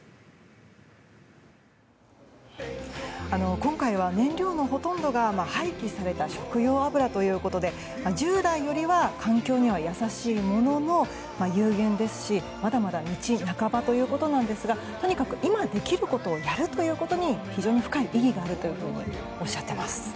今回は、燃料のほとんどが廃棄された食用油ということで従来よりは環境には優しいものの有限ですし、まだまだ道半ばということですがとにかく今できることをやるということに非常に深い意義があるというふうにおっしゃっています。